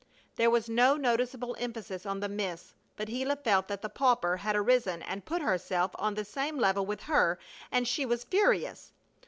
There was no noticeable emphasis on the "Miss," but Gila felt that the pauper had arisen and put herself on the same level with her, and she was furious.